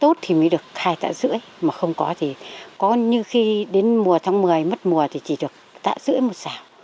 tốt thì mới được hai tạ rưỡi mà không có thì có như khi đến mùa tháng một mươi mất mùa thì chỉ được tạ rưỡi một xào